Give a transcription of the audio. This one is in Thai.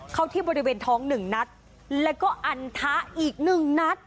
เข้าที่บริเวณท้อง๑นัดแล้วก็อันทะอีกหนึ่งนัด